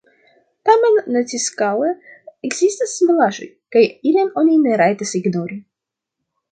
Tamen naciskale ekzistas similaĵoj, kaj ilin oni ne rajtas ignori.